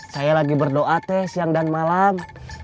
saya lagi berdoa teh siang dan malam